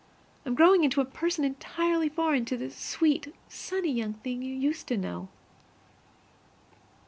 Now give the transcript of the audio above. I am growing into a person entirely foreign to the sweet, sunny young thing you used to know.